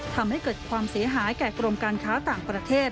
ทำให้เกิดความเสียหายแก่กรมการค้าต่างประเทศ